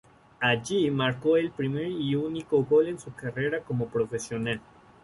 Allí marcó el primer y único gol en su carrera como profesional.